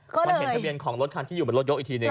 มันเห็นทะเบียนของรถคันที่อยู่บนรถยกอีกทีหนึ่ง